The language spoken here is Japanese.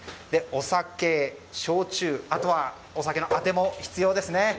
お酒、焼酎あとはお酒のあても必要ですね。